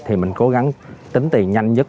thì mình cố gắng tính tiền nhanh nhất